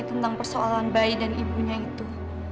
tentang persoalan bayi dan ibunya itu